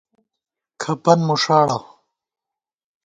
کھپن مُݭاڑَہ